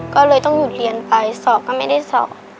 ก็เลยต้องหยุดเรียนไปสอบก็ไม่ได้สอบ